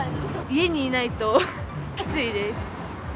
家にいないときついです。